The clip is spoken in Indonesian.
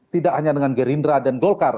tidak hanya dengan gerindra dan golkar